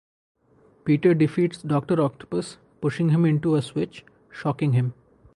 Peter defeats Doctor Octopus, pushing him into a switch, shocking him.